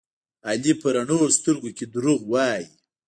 علي په رڼو سترګو کې دروغ وایي.